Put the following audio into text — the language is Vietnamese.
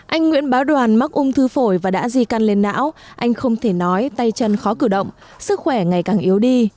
anh nguyễn báo đoàn mắc ung thư phổi và đã di căn lên não anh không thể nói tay chân khó cử động sức khỏe ngày càng yếu đi